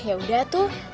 ya udah tuh